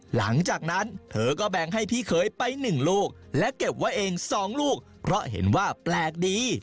หลังจากนั้นเธอก็แบ่งให้พี่เคยไปหนึ่งลูกและเก็บไว้เอง๒ลูกเพราะเห็นว่าแปลกดี